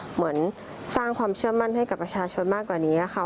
เหมือนสร้างความเชื่อมั่นให้กับประชาชนมากกว่านี้ค่ะ